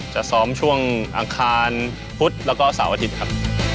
จะซ้อมช่วงอังคารพุธแล้วก็เสาร์อาทิตย์ครับ